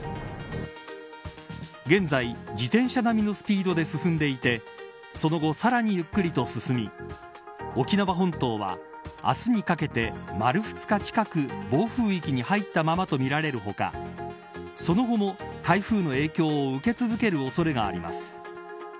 現在、自転車並みのスピードで進んでいてその後、さらにゆっくりと進み沖縄本島は明日にかけて丸２日近く暴風域に入ったままとみられる他その後も、台風の影響を受け続ける恐れがあります。